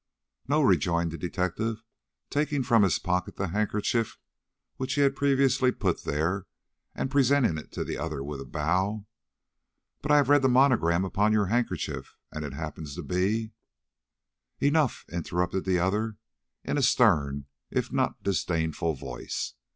"No," rejoined the detective, taking from his pocket the handkerchief which he had previously put there, and presenting it to the other with a bow, "but I have read the monogram upon your handkerchief and it happens to be " "Enough!" interrupted the other, in a stern if not disdainful voice.